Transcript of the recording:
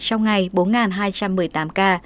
trong ngày bốn hai trăm một mươi tám ca